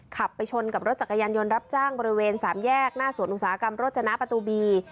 ขับไปชนกับรถจักรยานยนต์รับจ้างบริเวณสามแยกหน้าสวนอุตสาหกรรมโรจนะประตูบี